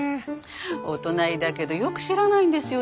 お隣だけどよく知らないんですよ。